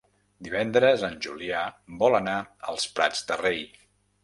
Divendres en Julià vol anar als Prats de Rei.